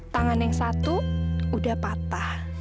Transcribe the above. tangan yang satu udah patah